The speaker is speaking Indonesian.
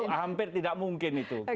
hampir tidak mungkin itu